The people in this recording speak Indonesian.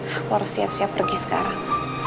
aku harus siap siap pergi sekarang